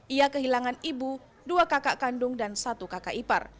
ia kehilangan ibu dua kakak kandung dan satu kakak ipar